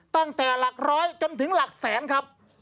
ตั้งแต่หลักร้อยจนถึงหลักแสนครับ